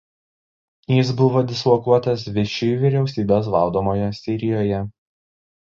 Jis buvo dislokuotas Viši vyriausybės valdomoje Sirijoje.